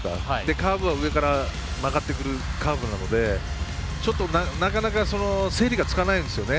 カーブは上から曲がってくるカーブなのでちょっと、なかなか整理がつかないんですよね